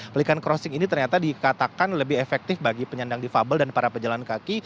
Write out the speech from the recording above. pelikan crossing ini ternyata dikatakan lebih efektif bagi penyandang difabel dan para pejalan kaki